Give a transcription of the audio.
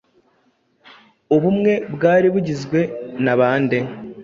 Ubumwe bwari bugizwe na bande?